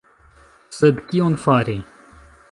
Sed kion fari?